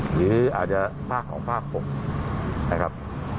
หรืออาจจะภาคของภาค๖นะครับ